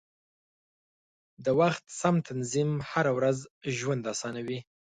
د وخت سم تنظیم هره ورځي ژوند اسانوي.